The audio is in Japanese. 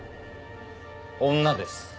女です。